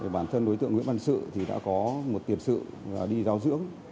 bản thân đối tượng nguyễn văn sự thì đã có một tiền sự đi giáo dưỡng